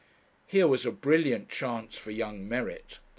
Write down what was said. Here was a brilliant chance for young merit!